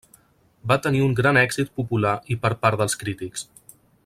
Va tenir un gran èxit popular i per part dels crítics.